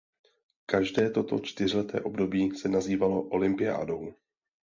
Každé toto čtyřleté období se nazývalo olympiádou.